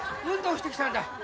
運動してきたんだ。